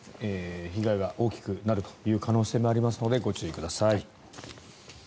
被害が大きくなる可能性もありますのでご注意ください。